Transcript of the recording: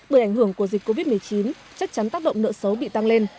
bởi ảnh hưởng của dịch covid một mươi chín chắc chắn tác động nợ xấu bị tăng lên